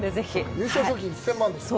優勝賞金１０００万ですから。